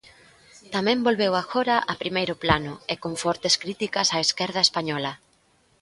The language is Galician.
Tamén volveu agora a primeiro plano e con fortes críticas á esquerda española.